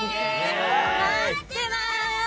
待ってまーす！